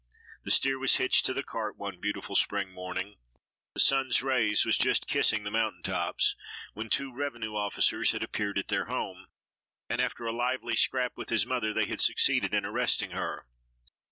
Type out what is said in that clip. The steer was hitched to the cart one beautiful spring morning. The sun's rays was just kissing the mountain tops, when two revenue officers had appeared at their home, and after a lively scrap with his mother they had succeeded in arresting her.